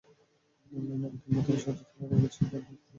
Online আবেদনপত্রে সদ্য তোলা রঙিন ছবি আপলোড করে আবেদন সম্পন্ন করতে হবে।